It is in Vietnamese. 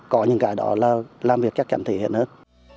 có những cái đó là làm việc chắc chắn thể hiện hơn